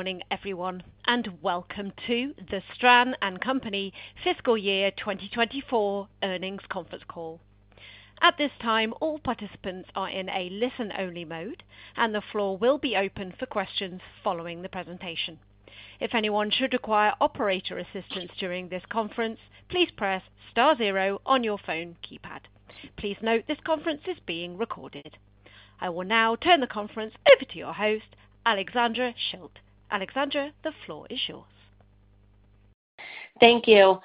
Morning, everyone, and welcome to the Stran & Company Fiscal Year 2024 Earnings Conference Call. At this time, all participants are in a listen-only mode, and the floor will be open for questions following the presentation. If anyone should require operator assistance during this conference, please press star zero on your phone keypad. Please note this conference is being recorded. I will now turn the conference over to your host, Alexandra Schilt. Alexandra, the floor is yours. Thank you.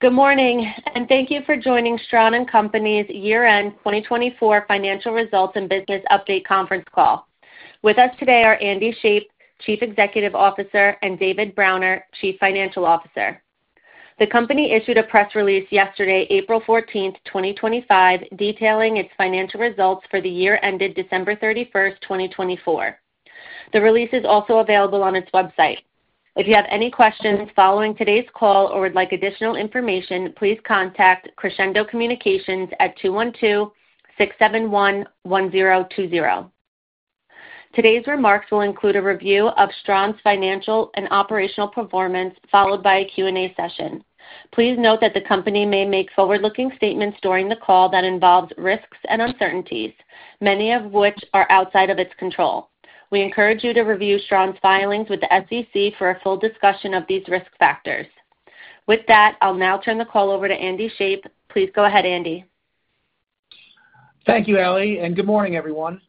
Good morning, and thank you for joining Stran & Company's Year End 2024 Financial Results and Business Update Conference Call. With us today are Andy Shape, Chief Executive Officer, and David Browner, Chief Financial Officer. The company issued a press release yesterday, April 14, 2025, detailing its financial results for the year ended December 31, 2024. The release is also available on its website. If you have any questions following today's call or would like additional information, please contact Crescendo Communications at 212-671-1020. Today's remarks will include a review of Stran's financial and operational performance, followed by a Q&A session. Please note that the company may make forward-looking statements during the call that involve risks and uncertainties, many of which are outside of its control. We encourage you to review Stran's filings with the SEC for a full discussion of these risk factors. With that, I'll now turn the call over to Andy Shape. Please go ahead, Andy. Thank you, Allie, and good morning, everyone.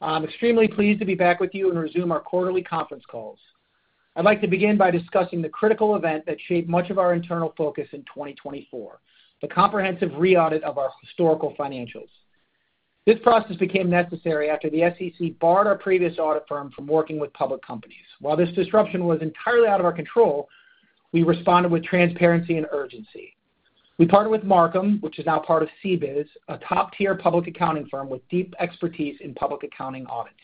I'm extremely pleased to be back with you and resume our quarterly conference calls. I'd like to begin by discussing the critical event that shaped much of our internal focus in 2024: the comprehensive re-audit of our historical financials. This process became necessary after the SEC barred our previous audit firm from working with public companies. While this disruption was entirely out of our control, we responded with transparency and urgency. We partnered with Marcum, which is now part of CBIZ, a top-tier public accounting firm with deep expertise in public accounting audits.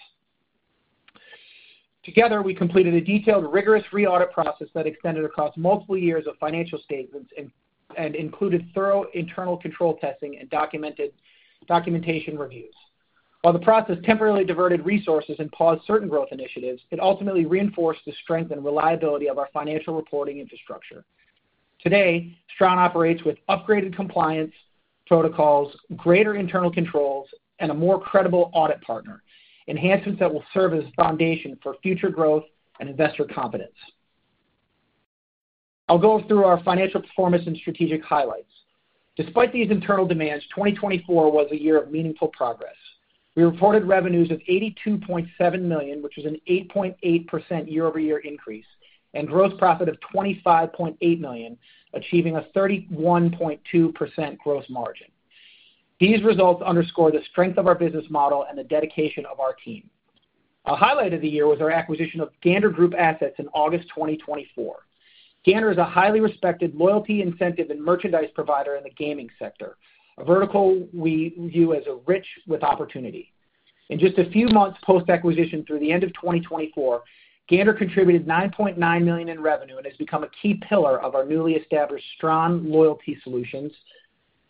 Together, we completed a detailed, rigorous re-audit process that extended across multiple years of financial statements and included thorough internal control testing and documentation reviews. While the process temporarily diverted resources and paused certain growth initiatives, it ultimately reinforced the strength and reliability of our financial reporting infrastructure. Today, Stran operates with upgraded compliance protocols, greater internal controls, and a more credible audit partner, enhancements that will serve as a foundation for future growth and investor confidence. I'll go through our financial performance and strategic highlights. Despite these internal demands, 2024 was a year of meaningful progress. We reported revenues of $82.7 million, which is an 8.8% year-over-year increase, and gross profit of $25.8 million, achieving a 31.2% gross margin. These results underscore the strength of our business model and the dedication of our team. A highlight of the year was our acquisition of Gander Group assets in August 2024. Gander is a highly respected, loyalty incentive, and merchandise provider in the gaming sector, a vertical we view as rich with opportunity. In just a few months post-acquisition, through the end of 2024, Gander contributed $9.9 million in revenue and has become a key pillar of our newly established Stran Loyalty Solutions,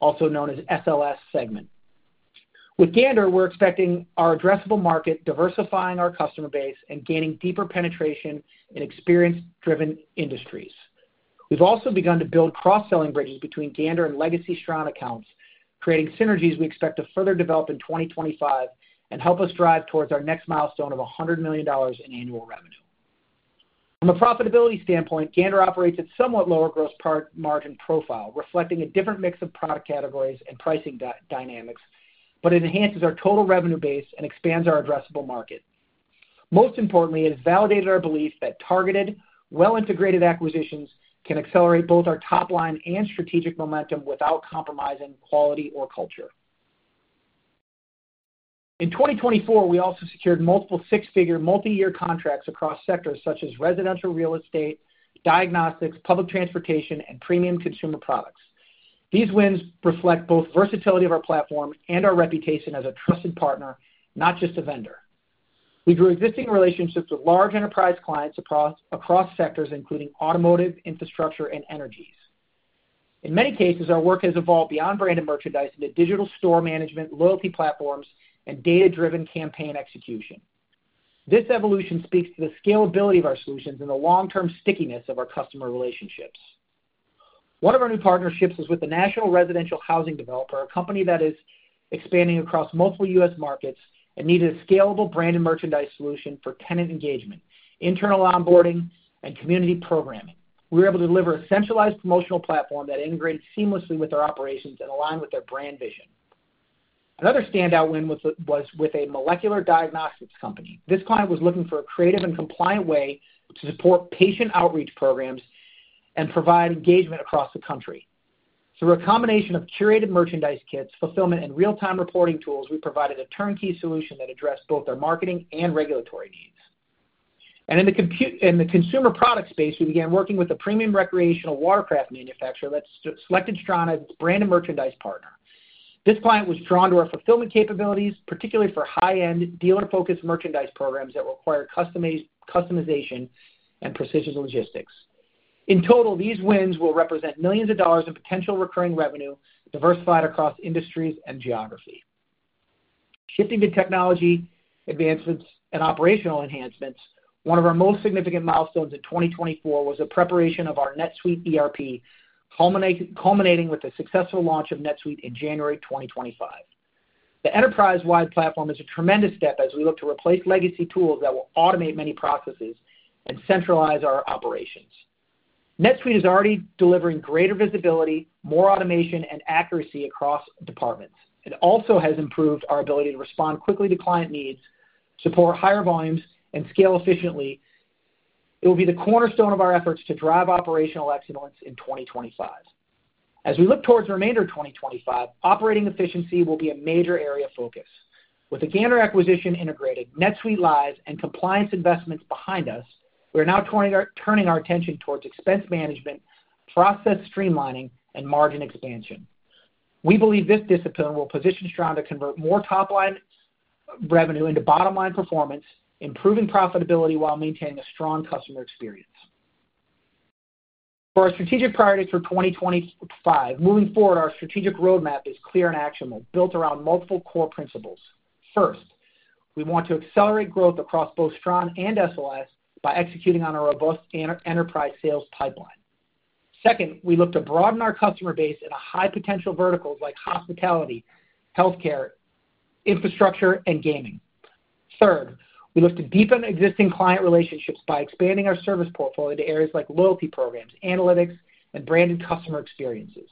also known as SLS Segment. With Gander, we're expecting our addressable market, diversifying our customer base, and gaining deeper penetration in experience-driven industries. We've also begun to build cross-selling bridges between Gander and legacy Stran accounts, creating synergies we expect to further develop in 2025 and help us drive towards our next milestone of $100 million in annual revenue. From a profitability standpoint, Gander operates at a somewhat lower gross margin profile, reflecting a different mix of product categories and pricing dynamics, but it enhances our total revenue base and expands our addressable market. Most importantly, it has validated our belief that targeted, well-integrated acquisitions can accelerate both our top-line and strategic momentum without compromising quality or culture. In 2024, we also secured multiple six-figure multi-year contracts across sectors such as residential real estate, diagnostics, public transportation, and premium consumer products. These wins reflect both the versatility of our platform and our reputation as a trusted partner, not just a vendor. We grew existing relationships with large enterprise clients across sectors, including automotive, infrastructure, and energies. In many cases, our work has evolved beyond branded merchandise into digital store management, loyalty platforms, and data-driven campaign execution. This evolution speaks to the scalability of our solutions and the long-term stickiness of our customer relationships. One of our new partnerships is with the National Residential Housing Developer, a company that is expanding across multiple U.S. markets and needed a scalable branded merchandise solution for tenant engagement, internal onboarding, and community programming. We were able to deliver a centralized promotional platform that integrated seamlessly with their operations and aligned with their brand vision. Another standout win was with a molecular diagnostics company. This client was looking for a creative and compliant way to support patient outreach programs and provide engagement across the country. Through a combination of curated merchandise kits, fulfillment, and real-time reporting tools, we provided a turnkey solution that addressed both our marketing and regulatory needs. In the consumer product space, we began working with a premium recreational watercraft manufacturer that selected Stran as its branded merchandise partner. This client was drawn to our fulfillment capabilities, particularly for high-end, dealer-focused merchandise programs that require customization and precision logistics. In total, these wins will represent millions of dollars in potential recurring revenue diversified across industries and geography. Shifting to technology advancements and operational enhancements, one of our most significant milestones in 2024 was the preparation of our NetSuite ERP, culminating with the successful launch of NetSuite in January 2025. The enterprise-wide platform is a tremendous step as we look to replace legacy tools that will automate many processes and centralize our operations. NetSuite is already delivering greater visibility, more automation, and accuracy across departments. It also has improved our ability to respond quickly to client needs, support higher volumes, and scale efficiently. It will be the cornerstone of our efforts to drive operational excellence in 2025. As we look towards the remainder of 2025, operating efficiency will be a major area of focus. With the Gander acquisition integrated, NetSuite lives and compliance investments behind us, we are now turning our attention towards expense management, process streamlining, and margin expansion. We believe this discipline will position Stran to convert more top-line revenue into bottom-line performance, improving profitability while maintaining a strong customer experience. For our strategic priorities for 2025, moving forward, our strategic roadmap is clear and actionable, built around multiple core principles. First, we want to accelerate growth across both Stran and SLS by executing on a robust enterprise sales pipeline. Second, we look to broaden our customer base in high-potential verticals like hospitality, healthcare, infrastructure, and gaming. Third, we look to deepen existing client relationships by expanding our service portfolio to areas like loyalty programs, analytics, and branded customer experiences.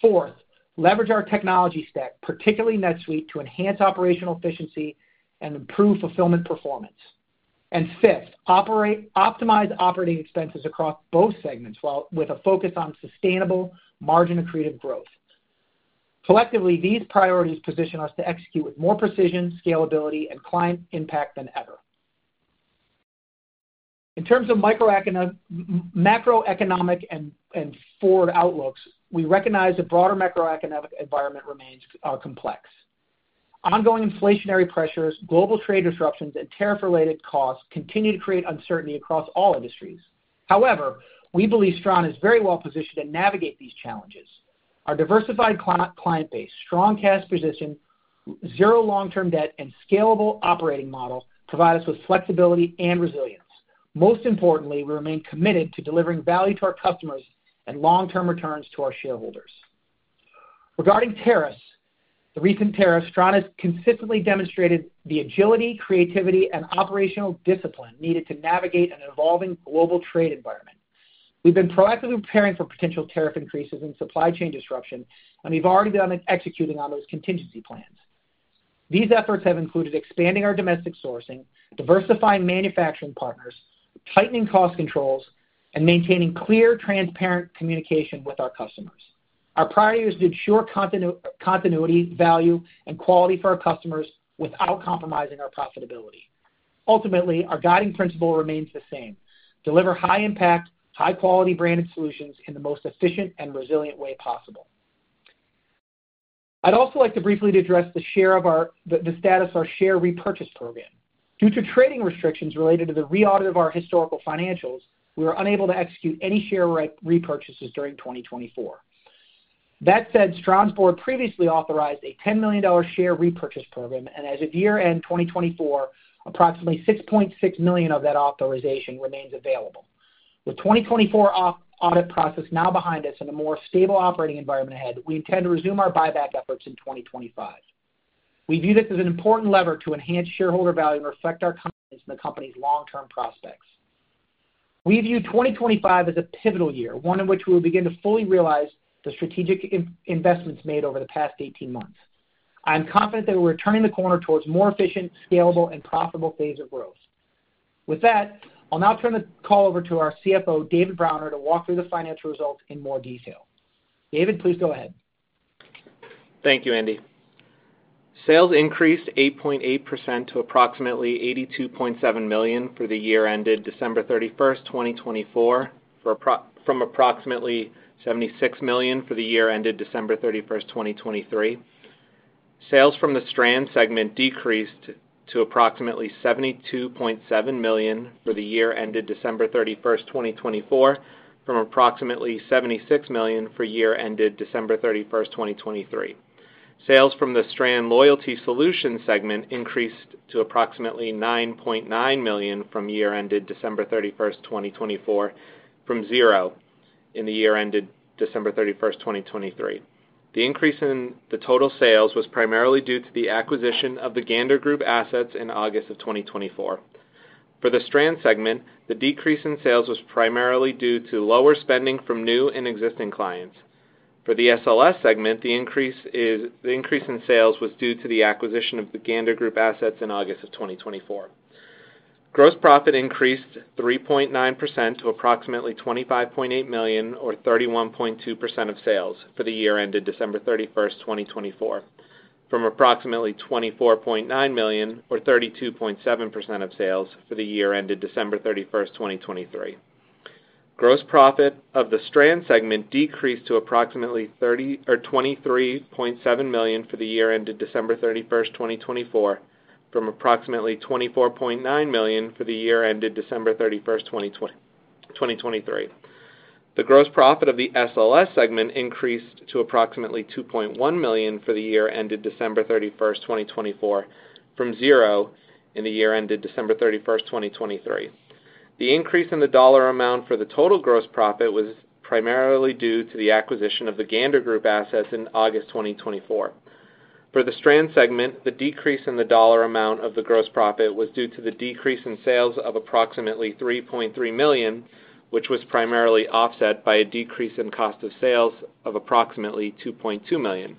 Fourth, leverage our technology stack, particularly NetSuite, to enhance operational efficiency and improve fulfillment performance. Fifth, optimize operating expenses across both segments with a focus on sustainable margin-accretive growth. Collectively, these priorities position us to execute with more precision, scalability, and client impact than ever. In terms of macroeconomic and forward outlooks, we recognize the broader macroeconomic environment remains complex. Ongoing inflationary pressures, global trade disruptions, and tariff-related costs continue to create uncertainty across all industries. However, we believe Stran is very well positioned to navigate these challenges. Our diversified client base, strong cash position, zero long-term debt, and scalable operating model provide us with flexibility and resilience. Most importantly, we remain committed to delivering value to our customers and long-term returns to our shareholders. Regarding tariffs, the recent tariffs, Stran has consistently demonstrated the agility, creativity, and operational discipline needed to navigate an evolving global trade environment. We've been proactively preparing for potential tariff increases and supply chain disruption, and we've already begun executing on those contingency plans. These efforts have included expanding our domestic sourcing, diversifying manufacturing partners, tightening cost controls, and maintaining clear, transparent communication with our customers. Our priority is to ensure continuity, value, and quality for our customers without compromising our profitability. Ultimately, our guiding principle remains the same: deliver high-impact, high-quality branded solutions in the most efficient and resilient way possible. I'd also like to briefly address the status of our share repurchase program. Due to trading restrictions related to the re-audit of our historical financials, we were unable to execute any share repurchases during 2024. That said, Stran's board previously authorized a $10 million share repurchase program, and as of year-end 2024, approximately $6.6 million of that authorization remains available. With the 2024 audit process now behind us and a more stable operating environment ahead, we intend to resume our buyback efforts in 2025. We view this as an important lever to enhance shareholder value and reflect our confidence in the company's long-term prospects. We view 2025 as a pivotal year, one in which we will begin to fully realize the strategic investments made over the past 18 months. I'm confident that we're turning the corner towards a more efficient, scalable, and profitable phase of growth. With that, I'll now turn the call over to our CFO, David Browner, to walk through the financial results in more detail. David, please go ahead. Thank you, Andy. Sales increased 8.8% to approximately $82.7 million for the year ended December 31, 2024, from approximately $76 million for the year ended December 31, 2023. Sales from the Stran segment decreased to approximately $72.7 million for the year ended December 31, 2024, from approximately $76 million for the year ended December 31, 2023. Sales from the Stran Loyalty Solutions segment increased to approximately $9.9 million for the year ended December 31, 2024, from zero in the year ended December 31, 2023. The increase in the total sales was primarily due to the acquisition of the Gander Group assets in August of 2024. For the Stran segment, the decrease in sales was primarily due to lower spending from new and existing clients. For the SLS segment, the increase in sales was due to the acquisition of the Gander Group assets in August of 2024. Gross profit increased 3.9% to approximately $25.8 million, or 31.2% of sales, for the year ended December 31, 2024, from approximately $24.9 million, or 32.7% of sales, for the year ended December 31, 2023. Gross profit of the Stran segment decreased to approximately $23.7 million for the year ended December 31, 2024, from approximately $24.9 million for the year ended December 31, 2023. The gross profit of the SLS segment increased to approximately $2.1 million for the year ended December 31, 2024, from zero in the year ended December 31, 2023. The increase in the dollar amount for the total gross profit was primarily due to the acquisition of the Gander Group assets in August 2024. For the Stran segment, the decrease in the dollar amount of the gross profit was due to the decrease in sales of approximately $3.3 million, which was primarily offset by a decrease in cost of sales of approximately $2.2 million.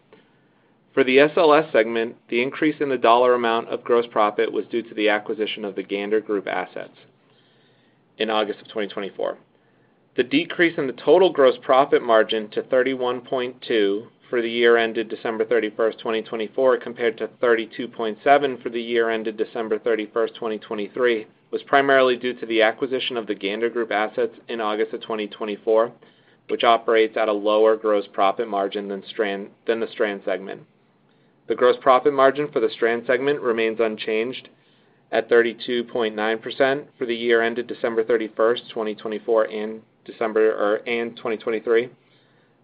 For the SLS segment, the increase in the dollar amount of gross profit was due to the acquisition of the Gander Group assets in August of 2024. The decrease in the total gross profit margin to 31.2% for the year ended December 31, 2024, compared to 32.7% for the year ended December 31, 2023, was primarily due to the acquisition of the Gander Group assets in August of 2024, which operates at a lower gross profit margin than the Stran segment. The gross profit margin for the Stran segment remains unchanged at 32.9% for the year ended December 31, 2024, and 2023.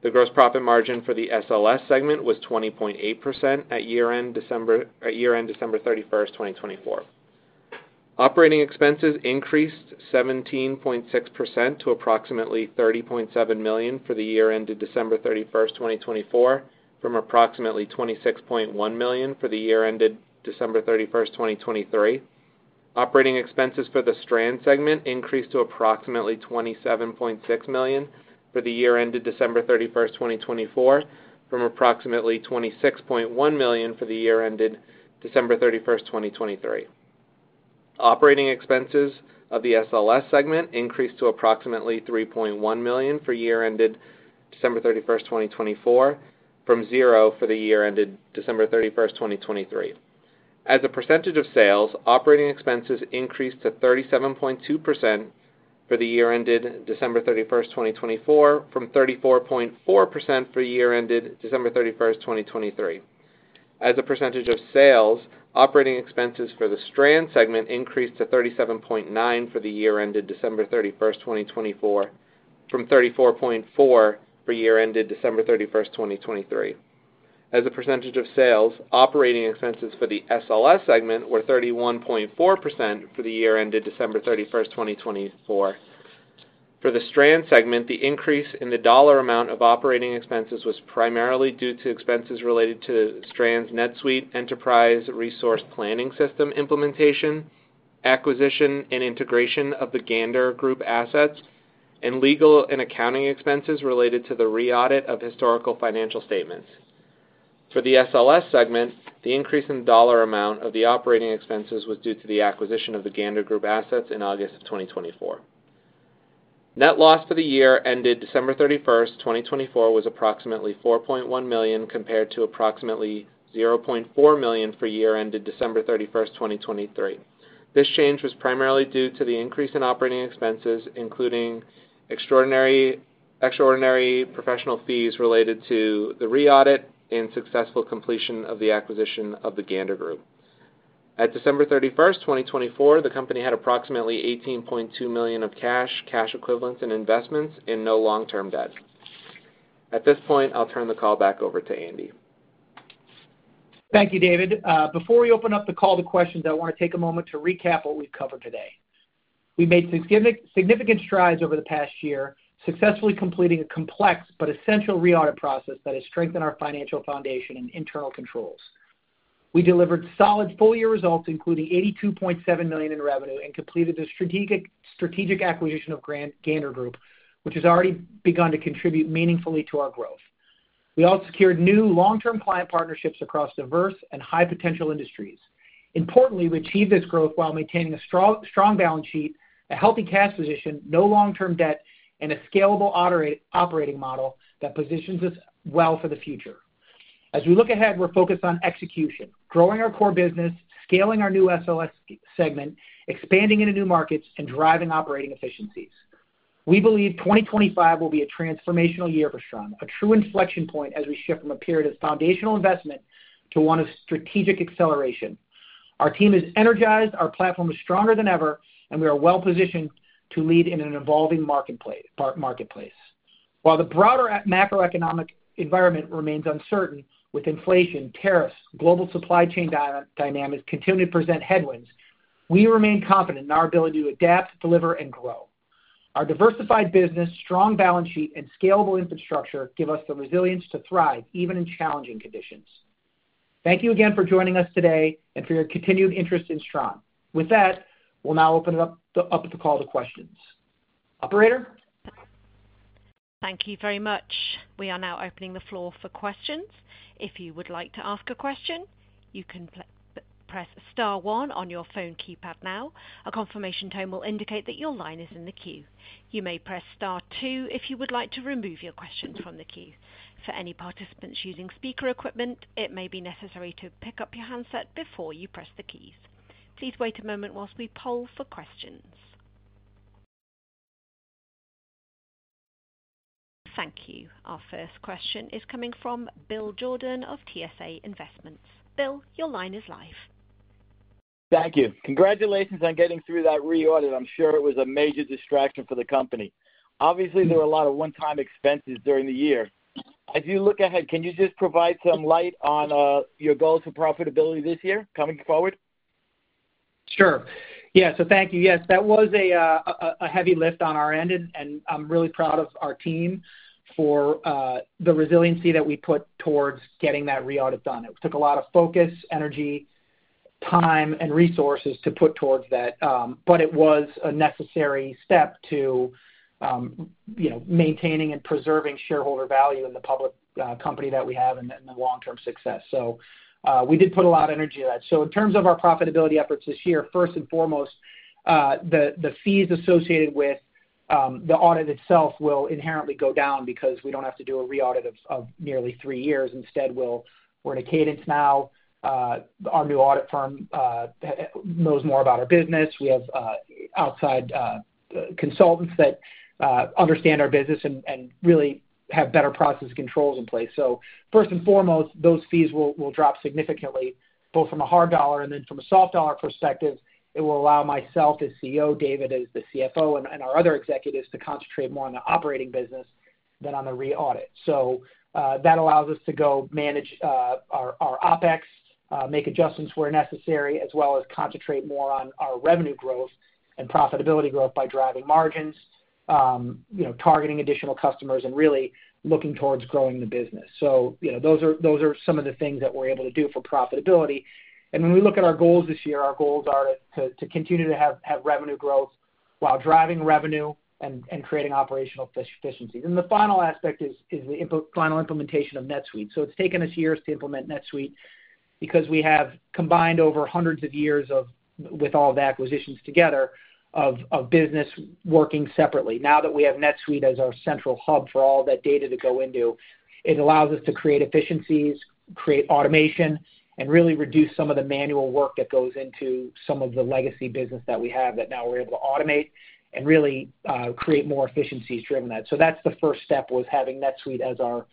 The gross profit margin for the SLS segment was 20.8% at year-end December 31, 2024. Operating expenses increased 17.6% to approximately $30.7 million for the year ended December 31, 2024, from approximately $26.1 million for the year ended December 31, 2023. Operating expenses for the Stran segment increased to approximately $27.6 million for the year ended December 31, 2024, from approximately $26.1 million for the year ended December 31, 2023. Operating expenses of the SLS segment increased to approximately $3.1 million for the year ended December 31, 2024, from zero for the year ended December 31, 2023. As a percentage of sales, operating expenses increased to 37.2% for the year ended December 31, 2024, from 34.4% for the year ended December 31, 2023. As a percentage of sales, operating expenses for the Stran segment increased to 37.9% for the year ended December 31, 2024, from 34.4% for the year ended December 31, 2023. As a percentage of sales, operating expenses for the SLS segment were 31.4% for the year ended December 31, 2024. For the Stran segment, the increase in the dollar amount of operating expenses was primarily due to expenses related to Stran's NetSuite ERP system implementation, acquisition and integration of the Gander Group assets, and legal and accounting expenses related to the re-audit of historical financial statements. For the SLS segment, the increase in the dollar amount of the operating expenses was due to the acquisition of the Gander Group assets in August of 2024. Net loss for the year ended December 31, 2024, was approximately $4.1 million compared to approximately $0.4 million for the year ended December 31, 2023. This change was primarily due to the increase in operating expenses, including extraordinary professional fees related to the re-audit and successful completion of the acquisition of the Gander Group. At December 31, 2024, the company had approximately $18.2 million of cash, cash equivalents, and investments, and no long-term debt. At this point, I'll turn the call back over to Andy. Thank you, David. Before we open up the call to questions, I want to take a moment to recap what we've covered today. We made significant strides over the past year, successfully completing a complex but essential re-audit process that has strengthened our financial foundation and internal controls. We delivered solid full-year results, including $82.7 million in revenue, and completed the strategic acquisition of Gander Group, which has already begun to contribute meaningfully to our growth. We also secured new long-term client partnerships across diverse and high-potential industries. Importantly, we achieved this growth while maintaining a strong balance sheet, a healthy cash position, no long-term debt, and a scalable operating model that positions us well for the future. As we look ahead, we're focused on execution, growing our core business, scaling our new SLS segment, expanding into new markets, and driving operating efficiencies. We believe 2025 will be a transformational year for Stran, a true inflection point as we shift from a period of foundational investment to one of strategic acceleration. Our team is energized, our platform is stronger than ever, and we are well-positioned to lead in an evolving marketplace. While the broader macroeconomic environment remains uncertain, with inflation, tariffs, and global supply chain dynamics continuing to present headwinds, we remain confident in our ability to adapt, deliver, and grow. Our diversified business, strong balance sheet, and scalable infrastructure give us the resilience to thrive, even in challenging conditions. Thank you again for joining us today and for your continued interest in Stran. With that, we'll now open up the call to questions. Operator? Thank you very much. We are now opening the floor for questions. If you would like to ask a question, you can press Star 1 on your phone keypad now. A confirmation tone will indicate that your line is in the queue. You may press Star 2 if you would like to remove your questions from the queue. For any participants using speaker equipment, it may be necessary to pick up your handset before you press the keys. Please wait a moment whilst we poll for questions. Thank you. Our first question is coming from Bill Jordan of TSA Investments. Bill, your line is live. Thank you. Congratulations on getting through that re-audit. I'm sure it was a major distraction for the company. Obviously, there were a lot of one-time expenses during the year. As you look ahead, can you just provide some light on your goals for profitability this year coming forward? Sure. Yeah. Thank you. Yes, that was a heavy lift on our end, and I'm really proud of our team for the resiliency that we put towards getting that re-audit done. It took a lot of focus, energy, time, and resources to put towards that, but it was a necessary step to maintaining and preserving shareholder value in the public company that we have and the long-term success. We did put a lot of energy into that. In terms of our profitability efforts this year, first and foremost, the fees associated with the audit itself will inherently go down because we don't have to do a re-audit of nearly three years. Instead, we're in a cadence now. Our new audit firm knows more about our business. We have outside consultants that understand our business and really have better processes and controls in place. First and foremost, those fees will drop significantly, both from a hard dollar and then from a soft dollar perspective. It will allow myself as CEO, David as the CFO, and our other executives to concentrate more on the operating business than on the re-audit. That allows us to go manage our OpEx, make adjustments where necessary, as well as concentrate more on our revenue growth and profitability growth by driving margins, targeting additional customers, and really looking towards growing the business. Those are some of the things that we're able to do for profitability. When we look at our goals this year, our goals are to continue to have revenue growth while driving revenue and creating operational efficiencies. The final aspect is the final implementation of NetSuite. It's taken us years to implement NetSuite because we have combined over hundreds of years with all the acquisitions together of business working separately. Now that we have NetSuite as our central hub for all that data to go into, it allows us to create efficiencies, create automation, and really reduce some of the manual work that goes into some of the legacy business that we have that now we're able to automate and really create more efficiencies driven that. That's the first step, having NetSuite as our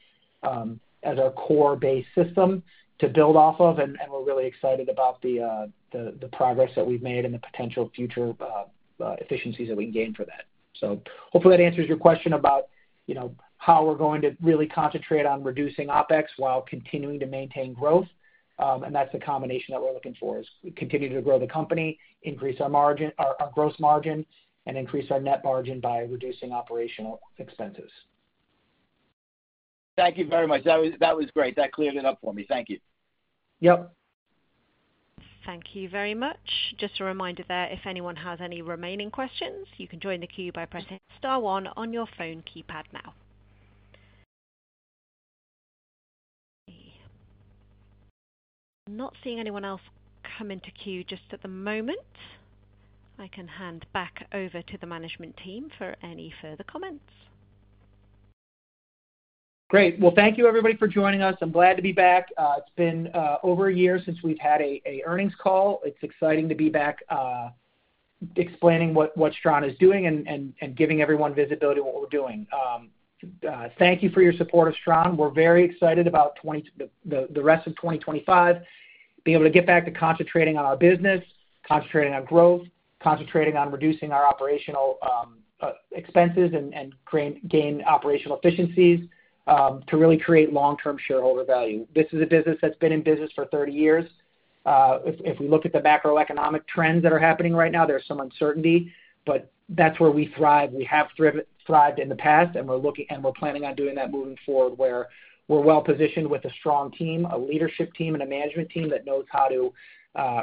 core base system to build off of, and we're really excited about the progress that we've made and the potential future efficiencies that we can gain for that. Hopefully, that answers your question about how we're going to really concentrate on reducing OpEx while continuing to maintain growth. That's the combination that we're looking for, is continue to grow the company, increase our gross margin, and increase our net margin by reducing operational expenses. Thank you very much. That was great. That cleared it up for me. Thank you. Yep. Thank you very much. Just a reminder there, if anyone has any remaining questions, you can join the queue by pressing Star 1 on your phone keypad now. I'm not seeing anyone else come into queue just at the moment. I can hand back over to the management team for any further comments. Great. Thank you, everybody, for joining us. I'm glad to be back. It's been over a year since we've had an earnings call. It's exciting to be back explaining what Stran is doing and giving everyone visibility of what we're doing. Thank you for your support of Stran. We're very excited about the rest of 2025, being able to get back to concentrating on our business, concentrating on growth, concentrating on reducing our operational expenses and gaining operational efficiencies to really create long-term shareholder value. This is a business that's been in business for 30 years. If we look at the macroeconomic trends that are happening right now, there's some uncertainty, but that's where we thrived. We have thrived in the past, and we're planning on doing that moving forward, where we're well-positioned with a strong team, a leadership team, and a management team that knows how to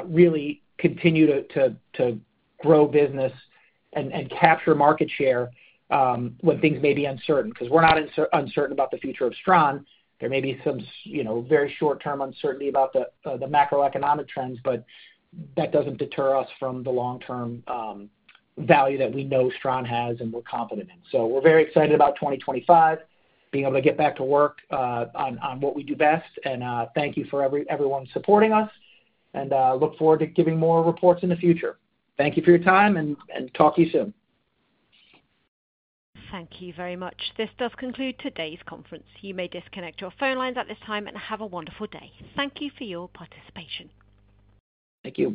really continue to grow business and capture market share when things may be uncertain. We are not uncertain about the future of Stran. There may be some very short-term uncertainty about the macroeconomic trends, but that does not deter us from the long-term value that we know Stran has and we're confident in. We are very excited about 2025, being able to get back to work on what we do best. Thank you for everyone supporting us, and look forward to giving more reports in the future. Thank you for your time, and talk to you soon. Thank you very much. This does conclude today's conference. You may disconnect your phone lines at this time and have a wonderful day. Thank you for your participation. Thank you.